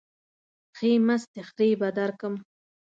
ښې مستې خرې به درکم.